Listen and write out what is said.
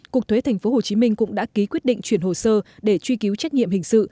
cục thuế tp hcm cũng đã ký quyết định chuyển hồ sơ để truy cứu trách nhiệm hình sự